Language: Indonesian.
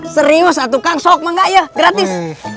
serius lah tukang sok mah gak ya gratis